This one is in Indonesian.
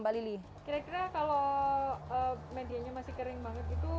kira kira satu menit